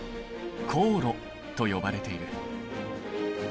高炉と呼ばれている。